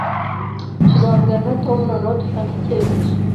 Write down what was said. Tuzavugana na Tom noneho dufate icyemezo